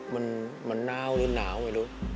มันหนาวหรือหนาวไม่รู้